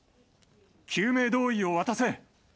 救命胴衣を渡せ！